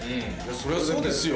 そりゃそうですよ。